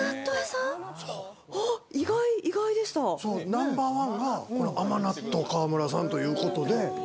ナンバーワンは甘納豆かわむらさんということで。